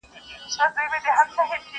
o ولي خو د جنگ نيمى دئ!